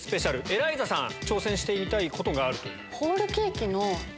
エライザさん挑戦してみたいことがあるという。